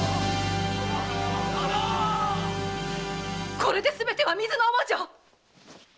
これですべては水の泡じゃ！